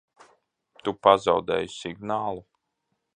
Tu pazaudēji signālu?